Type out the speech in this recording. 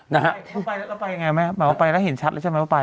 เข้าไปแล้วเราไปยังไงแม่หมายว่าไปแล้วเห็นชัดแล้วใช่ไหมว่าไป